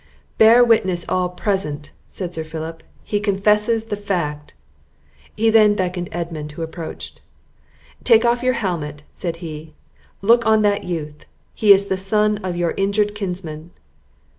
"Bear witness all present," said Sir Philip; "he confesses the fact!" He then beckoned Edmund, who approached. "Take off your helmet," said he; "look on that youth, he is the son of your injured kinsman."